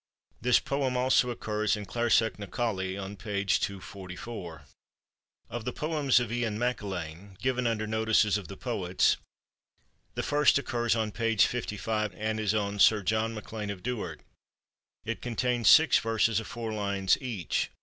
This poem also occurs in Clarsach na Coille, on page 244. Of the poems of Iain MacAilein, given under notices of the poets, the first occurs on page 55, and is on Sir John MacLean of Duard. It contains six verses of four lines each.